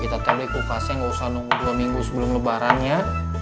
kita tabli kulkasnya gak usah nunggu dua minggu sebelum lebaran ya